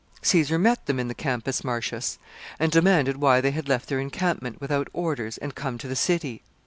] Caesar met them in the Campus Martius, and demanded why they had left their encampment without orders and come to the city.